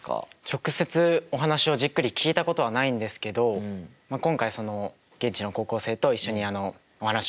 直接お話をじっくり聞いたことはないんですけど今回現地の高校生と一緒にお話を聞きに行かしていただきました。